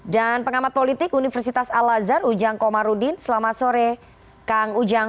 dan pengamat politik universitas al azhar ujang komarudin selamat sore kang ujang